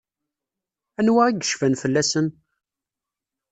Anwa i yecfan fell-asen?